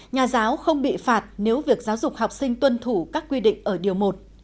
nhà giáo không bị phạt nếu việc giáo dục học sinh tuân thủ các quy định ở điều một